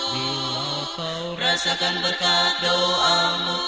bila kau rasakan berkat doamu